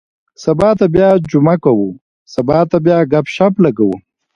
سبا ته بیا جمعه کُو. سبا ته بیا ګپ- شپ لګوو.